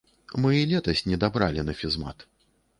Мы і летась недабралі на фізмат.